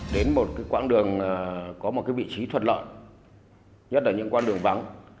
đến một quãng đường có một vị trí thuật lợi nhất là những quãng đường vắng